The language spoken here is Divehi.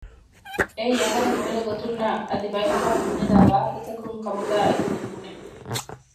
އެއީ އަހަރެން އުޅޭ ގޮތުންނާ އަދި ބައެއް ފަހަރު ބުނެލާ ވާހަކަތަކުން ކަމުގައި އެ ކުދިން ބުނެ